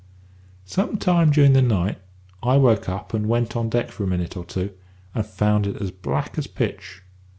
"Some time during the night I woke up and went on deck for a minute or two, and found it as black as pitch.